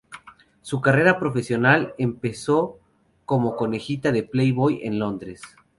Su carrera profesional empezó como Conejita de Playboy en Londres.